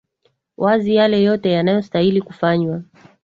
wazi yale yote yanayostahili kufanywa